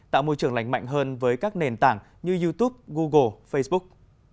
tạo môi trường lành mạnh hơn với các nền tảng như youtube google facebook